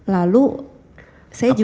lalu saya juga